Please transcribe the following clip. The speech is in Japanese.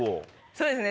そうですね